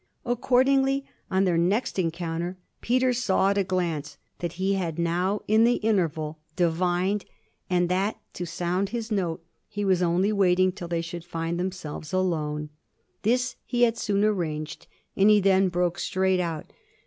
Accordingly on their next encounter Peter saw at a glance that he had now, in the interval, divined and that, to sound his note, he was only waiting till they should find themselves alone. This he had soon arranged and he then broke straight out.